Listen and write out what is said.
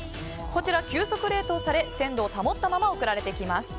こちら、急速冷凍され鮮度を保ったまま送られてきます。